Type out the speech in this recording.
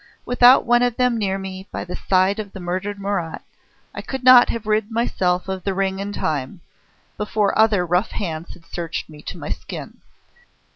Without one of them near me, by the side of the murdered Marat, I could not have rid myself of the ring in time, before other rough hands searched me to my skin.